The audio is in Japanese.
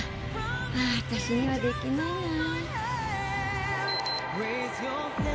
あ私にはできないな。